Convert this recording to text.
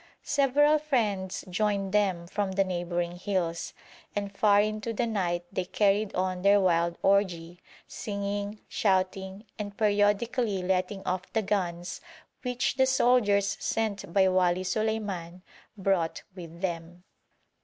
Several friends joined them from the neighbouring hills, and far into the night they carried on their wild orgy, singing, shouting, and periodically letting off the guns which the soldiers sent by Wali Suleiman brought with them.